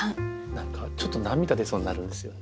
何かちょっと涙出そうになるんですよね。